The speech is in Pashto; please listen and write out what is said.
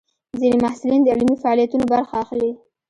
ځینې محصلین د علمي فعالیتونو برخه اخلي.